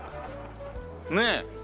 ねえ。